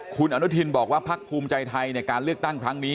คุณอนุทินบอกว่าพักภูมิใจไทยในการเลือกตั้งครั้งนี้